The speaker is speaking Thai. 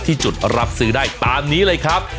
ที่จุดรับซื้อได้ตามนี้เลยครับ